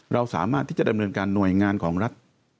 เราสามารถที่จะดำเนินการหน่วยงานของรัฐ